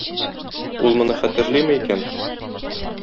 Ул моны хәтерлиме икән?